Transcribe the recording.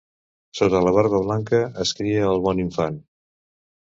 Sota la barba blanca es cria el bon infant.